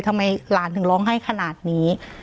ทำไมหลานถึงร้องไห้ขนาดนี้